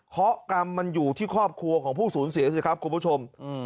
กรรมมันอยู่ที่ครอบครัวของผู้สูญเสียสิครับคุณผู้ชม